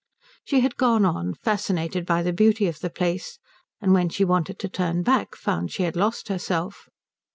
She had gone on, fascinated by the beauty of the place, and when she wanted to turn back found she had lost herself.